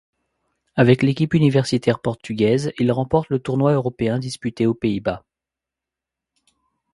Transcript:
Avec l'équipe universitaire portugaise, il remporte le tournoi européen disputé aux Pays-Bas.